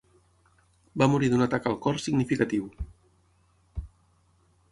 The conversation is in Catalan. Va morir d'un atac al cor significatiu.